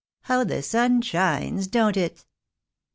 How the sun shines, don't it."